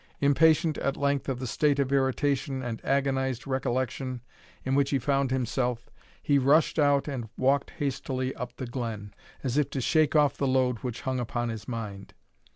Impatient, at length, of the state of irritation and agonized recollection in which he found himself, he rushed out and walked hastily up the glen, as if to shake off the load which hung upon his mind.